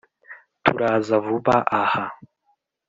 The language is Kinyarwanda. turaza vuba aha.